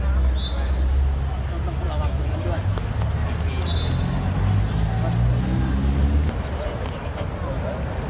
แค่อย่างนี้ดีกว่าของคนดีของทุกคนที่นี่มาส่องต่อคืน